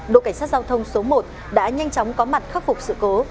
đội cảnh sát giao thông số một đã nhanh chóng có mặt khắc phục sự cố